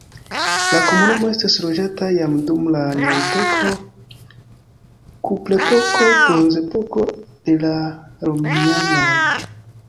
La komunumo estis loĝata jam dum la neolitiko, kuprepoko, bronzepoko, de la romianoj.